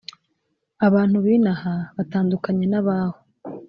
Abantu b ino aha batandukanye n abaho